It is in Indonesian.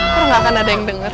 karena akan ada yang denger